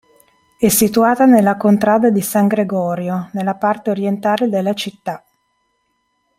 È situata nella contrada di San Gregorio, nella parte orientale della città.